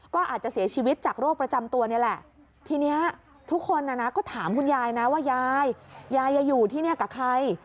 ก็ถามคุณยายนะว่ายายยายอยู่ที่นี่กับใคร